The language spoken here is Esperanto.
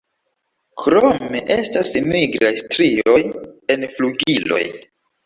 Krome estas nigraj strioj en flugiloj.